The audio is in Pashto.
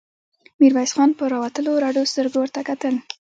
ميرويس خان په راوتلو رډو سترګو ورته کتل.